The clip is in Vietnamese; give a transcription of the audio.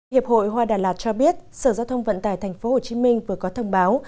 hiệp hội hoa đà lạt cho biết sở giao thông vận tải tp hcm vừa có thông báo